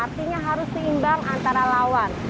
artinya harus seimbang antara lawan